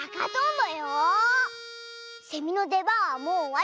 セミのでばんはもうおわり！